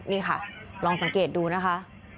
นี่ค่ะลองสังเกตดูนะคะ